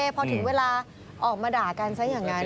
พอถึงเวลาออกมาด่ากันซะอย่างนั้น